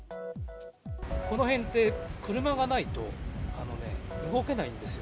この辺って車がないとあのね、動けないんですよ。